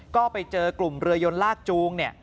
ก็ไปเจอกลุ่มเรือยนลากจูง